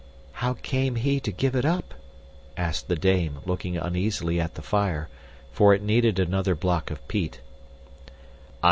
"How came he to give it up?" asked the dame, looking uneasily at the fire, for it needed another block of peat.